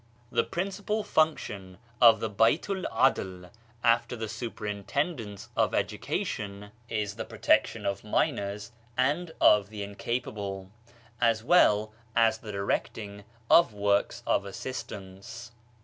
The principal function of the Baltu'l ( AdI, after the superintendence of educa tion, is the protection of minors and of the incapable, as well as the directing of works of assistance.